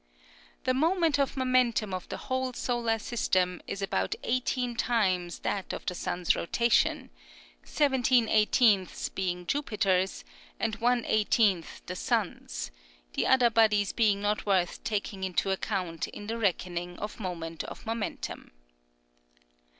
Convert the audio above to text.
"The moment of momentum of the whole solar system is about eighteen times that of the sun's rotation ; seventeen eighteenths being Jupiter's and one eighteenths the sun's, the other bodies being not worth taking into account in the reckoning of moment of momentum.